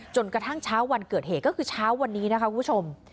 จนกระทั่งเช้าวันเกิดเหตุก็คือเช้าวันนี้นะคะคุณผู้ชม